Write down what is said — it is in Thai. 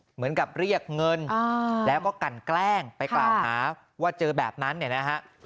เหมือนกับเรียกเงินแล้วก็กันแกล้งไปกล่าวหาว่าเจอแบบนั้นเนี่ยนะฮะ